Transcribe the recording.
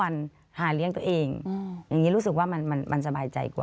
อย่างนี้รู้สึกว่ามันสบายใจกว่า